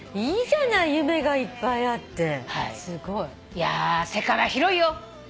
いやー世界は広いよ。